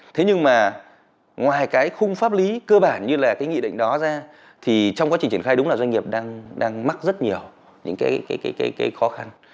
thế nhưng mà ngoài cái khung pháp lý cơ bản như là cái nghị định đó ra thì trong quá trình triển khai đúng là doanh nghiệp đang mắc rất nhiều những cái khó khăn